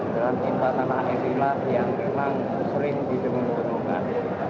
dan impatan air milah yang memang sering ditemukan